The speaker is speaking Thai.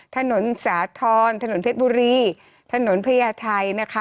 ถนนสาธรณ์ถนนเพชรบุรีถนนพญาไทยนะคะ